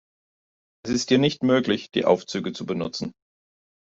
Es ist hier nicht möglich, die Aufzüge zu benutzen.